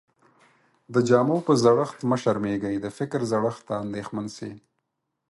د جامو په زړښت مه شرمېږٸ، د فکر زړښت ته انديښمن سې.